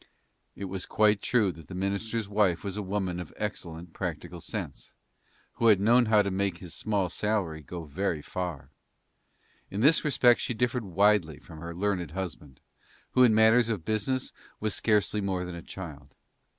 It was quite true that the minister's wife was a woman of excellent practical sense, who had known how to make his small salary go very far. In this respect she differed widely from her learned husband, who in matters of business was scarcely more than a child.